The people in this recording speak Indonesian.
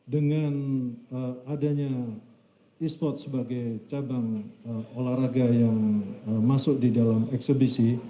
dengan adanya e sports sebagai cabang olahraga yang masuk di dalam eksebisi